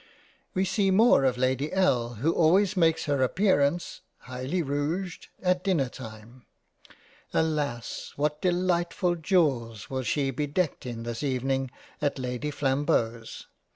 We see more of Lady L. who always makes her appearance (highly rouged) at Dinner time. Alas ! what Delightful Jewels will she be decked in this even ing at Lady Flambeau's